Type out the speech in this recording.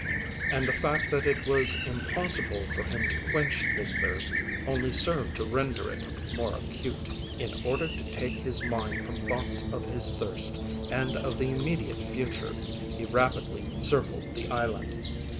And the fact that it was impossible for him to quench his thirst only served to render it more acute. In order to take his mind from thoughts of his thirst and of the immediate future, he rapidly circled the island.